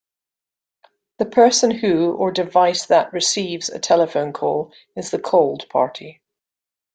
The person who, or device that, receives a telephone call is the called party.